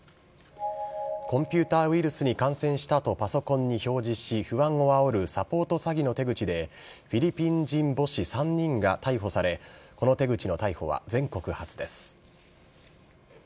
コンピューターウイルスに感染したとパソコンに表示し、不安をあおるサポート詐欺の手口で、フィリピン人母子３人が逮捕され、この手口の逮捕は全国初です。